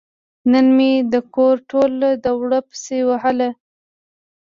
نن مې د کور ټوله دوړه پسې ووهله.